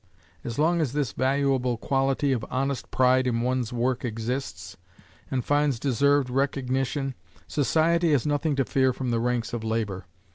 As long as this valuable quality of honest pride in one's work exists, and finds deserved recognition, society has nothing to fear from the ranks of labor.